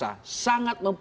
untuk memberlanggan nanis